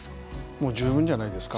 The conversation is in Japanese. もう十分じゃないですか。